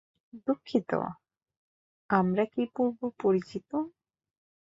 দুঃখিত, আমরা কি পূর্ব পরিচিত?